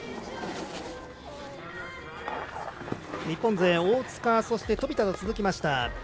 日本勢は大塚、飛田と続きました。